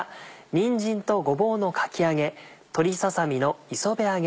「にんじんとごぼうのかき揚げ」「鶏ささ身の磯辺揚げ」